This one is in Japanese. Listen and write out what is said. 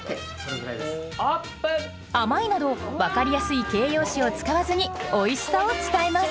「甘い」など分かりやすい形容詞を使わずにおいしさを伝えます